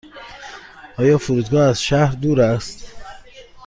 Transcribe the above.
آیا فرودگاه از شهر دور است؟